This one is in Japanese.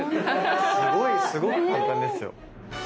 すごいすごく簡単ですよ。